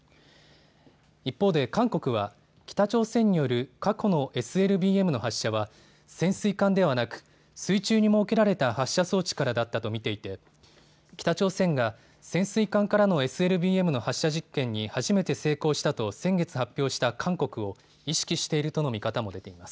一方で韓国は北朝鮮による過去のＳＬＢＭの発射は潜水艦ではなく、水中に設けられた発射装置からだったと見ていて北朝鮮が潜水艦からのＳＬＢＭの発射実験に初めて成功したと先月発表した韓国を意識しているとの見方も出ています。